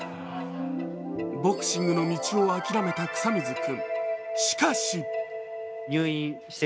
ボクシングの道を諦めた草水君。